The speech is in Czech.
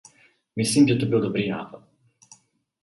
Myslím, že by to byl dobrý nápad.